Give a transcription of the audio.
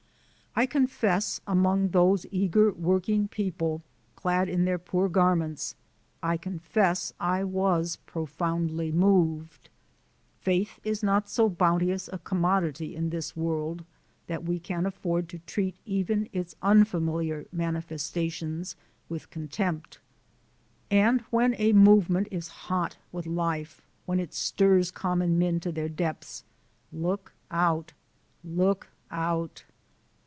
I confess, among those eager working people, clad in their poor garments, I confess I was profoundly moved. Faith is not so bounteous a commodity in this world that we can afford to treat even its unfamiliar manifestations with contempt. And when a movement is hot with life, when it stirs common men to their depths, look out! look out!